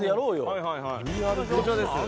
はいはいはいこちらです。